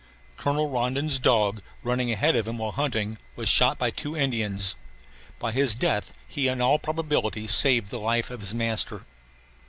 Colonel Rondon's dog running ahead of him while hunting, was shot by two Indians; by his death he in all probability saved the life of his master.